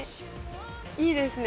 いいですね